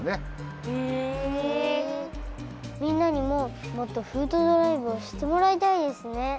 みんなにももっとフードドライブをしってもらいたいですね。